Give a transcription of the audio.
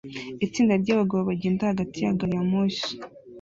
Itsinda ryabagabo bagenda hagati ya gari ya moshi